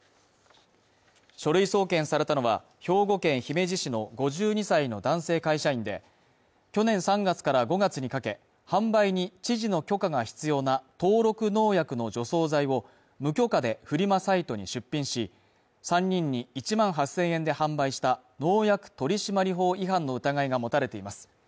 書類送検されたのは、兵庫県姫路市の５２歳の男性会社員で、去年３月から５月にかけ、販売に知事の許可が必要な登録農薬の除草剤を無許可でフリマサイトに出品し、３人に１万８０００円で販売した農薬取締法違反の疑いが持たれています。